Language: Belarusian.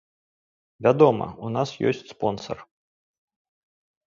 Вядома, у нас ёсць спонсар.